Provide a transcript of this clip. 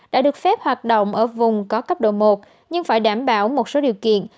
đã được phép hoạt động ở vùng có cấp độ một nhưng phải đảm bảo một số điều kiện